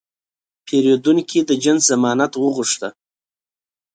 پیرودونکی د جنس ضمانت وغوښته.